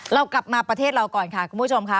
เรากลับมาประเทศเราก่อนค่ะคุณผู้ชมค่ะ